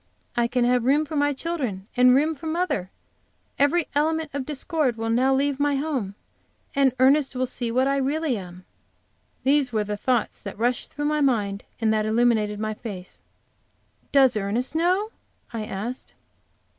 I can have room for my children, and room for mother! Every element of discord will now leave my home, and Ernest will see what I really am!" These were the thoughts that rushed through my mind, and that illuminated my face. "Does Ernest know?" I asked.